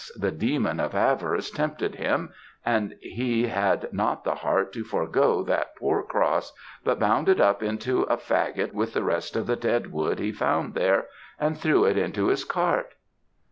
the demon of avarice tempted him, and he had not the heart to forego that poor cross, but bound it up into a faggot with the rest of the dead wood he found there, and threw it into his cart!'